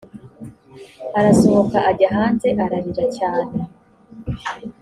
arasohoka ajya hanze ararira cyane